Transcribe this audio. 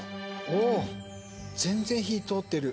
お全然火通ってる。